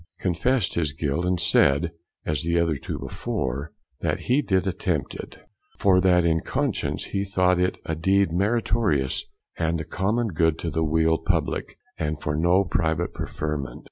confessed his guilt, and said (as the other two before) that he did attempt it, for that in conscience he thought it a deed meritorious, and a common good to the weal publick, and for no private preferment.